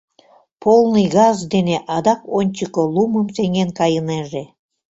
Полный газ дене адак ончыко, лумым сеҥен кайынеже.